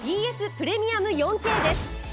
プレミアム４Ｋです。